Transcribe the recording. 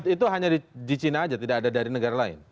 itu hanya di china saja tidak ada dari negara lain